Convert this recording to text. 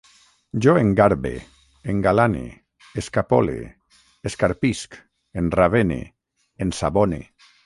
Jo engarbe, engalane, escapole, escarpisc, enravene, ensabone